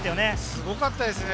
すごかったですよね。